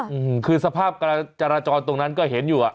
อืมคือสภาพการจราจรตรงนั้นก็เห็นอยู่อ่ะ